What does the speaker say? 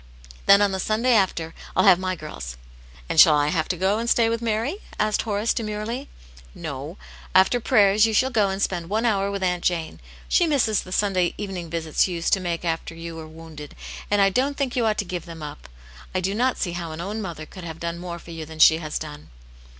Then on the Sunday after I'll have my girls." "And shall I have to go and stay with Mary?" asked Horace, demurely. "" No. After prayers you shall go and spend one hour with^ Aunt Jane. She misses the Sunday evening visits you used to make her after you wel*e wounded, and I don't think you ought to give them iip. I do not see how an own mother could, have done more for you than she has done."